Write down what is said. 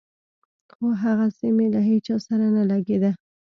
خو هغسې مې له هېچا سره نه لګېده.